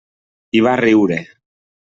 I va riure.